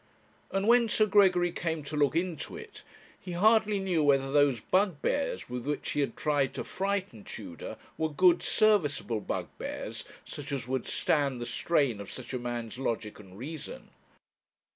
And when Sir Gregory came to look into it, he hardly knew whether those bugbears with which he had tried to frighten Tudor were good serviceable bugbears, such as would stand the strain of such a man's logic and reason.